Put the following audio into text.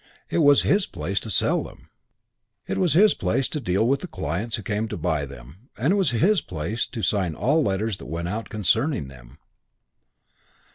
It was his place to sell them. It was his place, to deal with clients who came to buy them, and it was his place to sign all letters that went out concerning them.